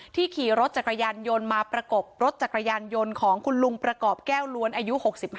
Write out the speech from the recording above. ขี่รถจักรยานยนต์มาประกบรถจักรยานยนต์ของคุณลุงประกอบแก้วล้วนอายุ๖๕